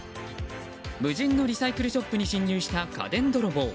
無人のリサイクルショップに侵入した家電泥棒。